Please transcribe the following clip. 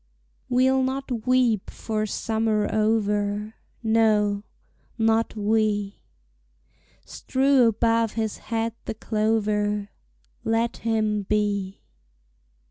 We'll not weep for summer over, No, not we: Strew above his head the clover, Let him be!